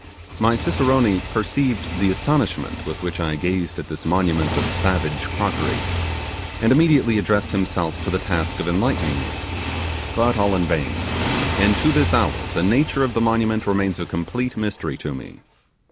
My cicerone perceived the astonishment with which I gazed at this monument of savage crockery, and immediately addressed himself in the task of enlightening me: but all in vain; and to this hour the nature of the monument remains a complete mystery to me.